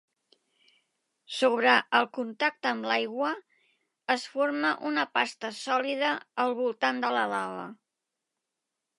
Sobre el contacte amb l'aigua, es forma una pasta sòlida al voltant de la lava.